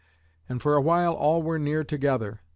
And for a while all were near together.